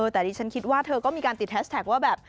แต่ดิฉันคิดว่าเธอก็มีการติดแฮสแท็กว่าแบบ